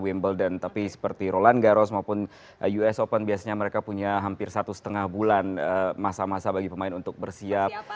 wimbledon tapi seperti roland garros maupun us open biasanya mereka punya hampir satu setengah bulan masa masa bagi pemain untuk bersiap